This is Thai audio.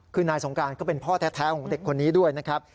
คือนายสงการก็เป็นพ่อแท้ของเด็กคนนี้ด้วยนะครับ